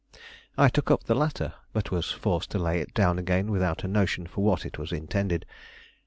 I took up the latter, but was forced to lay it down again without a notion for what it was intended.